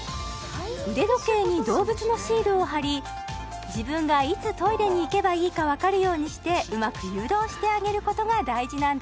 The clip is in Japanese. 腕時計に動物のシールを貼り自分がいつトイレに行けばいいか分かるようにしてうまく誘導してあげることが大事なんだ